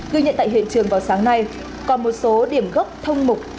ghi nhận tại hiện trường vào sáng nay còn một số điểm gốc thông mục